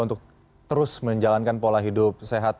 untuk terus menjalankan pola hidup sehat